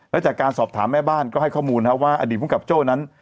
และจากการสอบถามแม่บ้านก็ให้ข้อมูลว่าอดีตภูมิกับโจ้นั้น